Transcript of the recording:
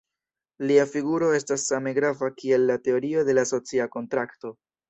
Lia figuro estas same grava kiel la teorio de la socia kontrakto.